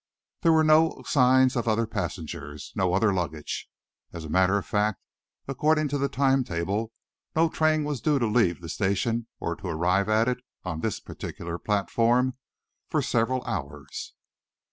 There were no signs of other passengers, no other luggage. As a matter of fact, according to the time table, no train was due to leave the station or to arrive at it, on this particular platform, for several hours.